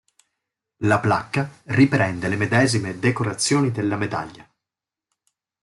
La "placca" riprende le medesime decorazioni della medaglia.